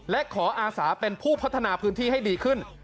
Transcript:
และขออาสาเป็นผู้พัฒนาพื้นที่ให้ดีขึ้น